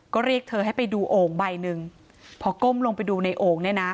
ก็เรียกเธอให้ไปดูโอ่งใบหนึ่งพอก้มลงไปดูในโอ่งเนี่ยนะ